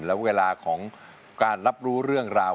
และเวลาของการรับรู้เรื่องราว